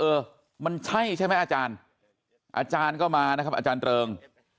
เออมันใช่ใช่ไหมอาจารย์อาจารย์ก็มานะครับอาจารย์เริง